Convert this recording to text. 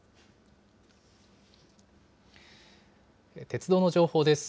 鉄道の情報です。